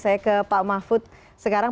saya ke pak mahfud sekarang